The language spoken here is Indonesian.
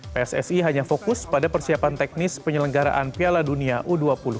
pssi hanya fokus pada persiapan teknis penyelenggaraan piala dunia u dua puluh